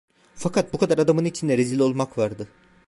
Fakat bu kadar adamın içinde rezil olmak vardı.